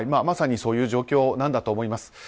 まさにそういう状況なんだと思います。